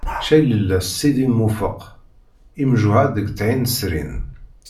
Caylellah s Sidi Lmufeq, imjuhad deg Tɛinsrin.